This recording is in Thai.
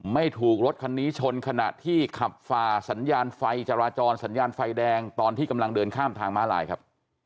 ไม่ถูกรถคันนี้ชนขณะที่ขับฝ่าสัญญาณไฟจราจรสัญญาณไฟแดงตอนที่กำลังเดินข้ามทางม้าลายครับ